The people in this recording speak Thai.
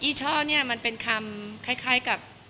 ช่อเนี่ยมันเป็นคำคล้ายกับ